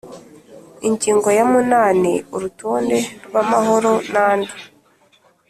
Ingingo ya munani Urutonde rw amahoro n andi